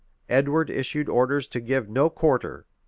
Edward issued orders to give no quarter.